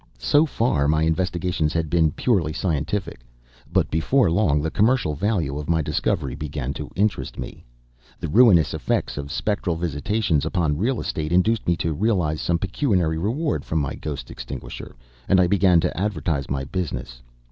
So far my investigations had been purely scientific, but before long the commercial value of my discovery began to interest me. The ruinous effects of spectral visitations upon real estate induced me to realize some pecuniary reward from my ghost extinguisher, and I began to advertise my business.